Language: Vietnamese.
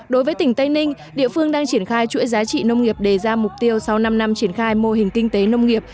đối với tỉnh tây ninh địa phương đang triển khai chuỗi giá trị nông nghiệp đề ra mục tiêu sau năm năm triển khai mô hình kinh tế nông nghiệp